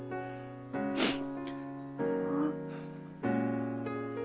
あっ。